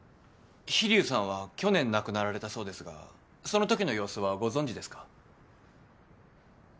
秘龍さんは去年亡くなられたそうですがそのときの様子はご存じですか？